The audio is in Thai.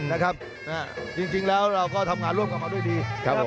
นะครับจริงแล้วเราก็ทำงานร่วมกันมาด้วยดีครับผม